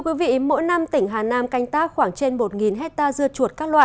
mỗi năm tỉnh hà nam canh tá khoảng trên một hectare dưa chuột các loại